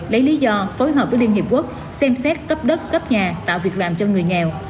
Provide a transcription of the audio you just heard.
lấy lý do phối hợp với liên hiệp quốc xem xét cấp đất cấp nhà tạo việc làm cho người nghèo